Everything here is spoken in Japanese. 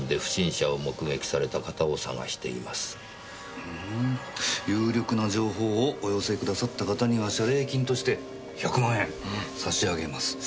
うん「有力な情報をお寄せくださった方には謝礼金として１００万円差し上げます」。